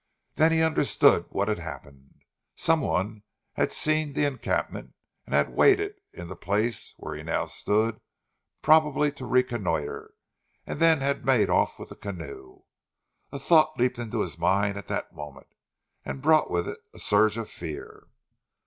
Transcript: Then he understood what had happened. Some one had seen the encampment and had waited in the place where he now stood, probably to reconnoitre, and then had made off with the canoe. A thought leaped into his mind at that moment, and brought with it a surge of fear.